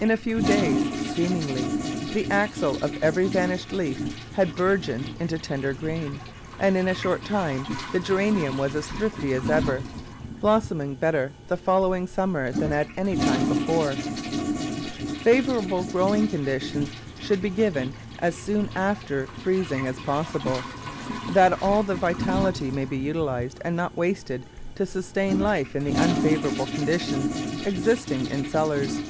In a few days, seemingly, the axil of every vanished leaf had bourgeoned into tender green, and in a short time the Geranium was as thrifty as ever, blossoming better the following sum mer than at any time before. Favourable growing conditions should be given as soon after freezing as possible, that all the vitality may be utilised and not wasted to sustain life in the unfavourable conditions existing in cellars.